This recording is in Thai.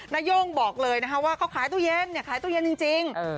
นาย่งบอกเลยนะคะว่าเขาขายตู้เย็นขายตู้เย็นจริง